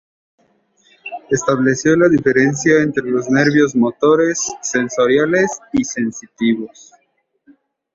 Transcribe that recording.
Estableció la diferencia entre los nervios motores, sensoriales y sensitivos.